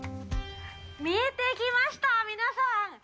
見えてきました、皆さん！